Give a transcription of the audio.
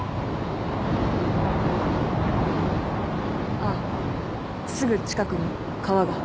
あっすぐ近くに川が。